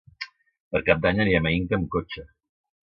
Per Cap d'Any anirem a Inca amb cotxe.